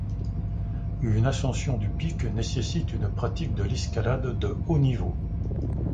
Une ascension du pic nécessite une pratique de l'escalade de haut niveau.